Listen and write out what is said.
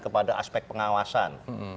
kepada aspek pengawasan